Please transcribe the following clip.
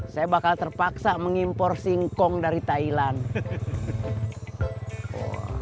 saya bakal terpaksa mengimpor singkong dari thailand